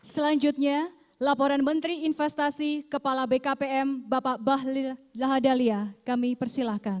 selanjutnya laporan menteri investasi kepala bkpm bapak bahlil lahadalia kami persilahkan